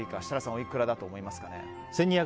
おいくらだと思いますかね。